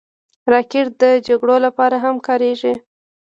راکټ د جګړو لپاره هم کارېږي